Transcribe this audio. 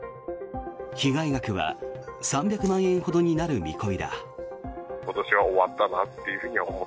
被害額は３００万円ほどになる見込みだ。